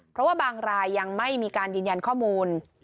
เพราะว่าบางรายยังไม่มีการยืนยันข้อมูล